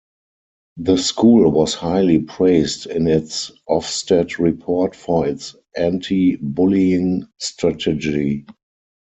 The school was highly praised in its Ofsted report for its anti-bullying strategy.